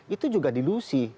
itu juga dilusi